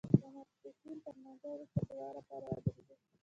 د ماسپښین تر لمانځه وروسته د دعا لپاره ودرېدو.